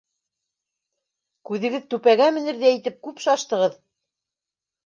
— Күҙегеҙ түпәгә менерҙәй итеп күп шаштығыҙ!